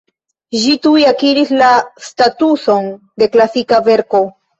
Ĝi tuj akiris la statuson de klasika verko.